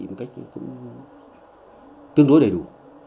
một cách cũng tương đối đầy đủ